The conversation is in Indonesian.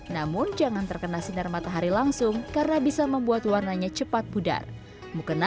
namun jangan terkena sinar matahari langsung karena bisa membuat warnanya cepat budar